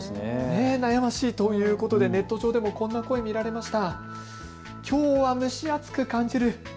悩ましいということでネット上でもこんな声が見られました。